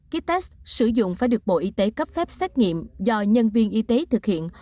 kites sử dụng phải được bộ y tế cấp phép xét nghiệm do nhân viên y tế thực hiện